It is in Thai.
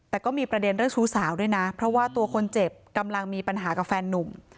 แต่ก็มีประเด็นเรื่องชู้สาวด้วยนะเพราะว่าตัวคนเจ็บกำลังมีปัญหากับแฟนนุ่ม